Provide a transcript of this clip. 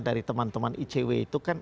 dari teman teman icw itu kan